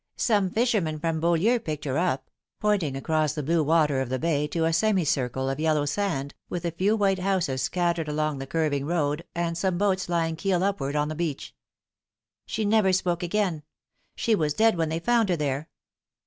Some fishermen from Beaulieu picked her up," pointing across the blue water of the bay to a semicircle of yellow sand, with a few white houses scattered along the curving road, and some boats lying keel up ward on the beach. " She never spoke again. She was dead when they found her there."